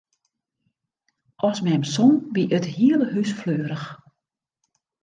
As mem song, wie it hiele hús fleurich.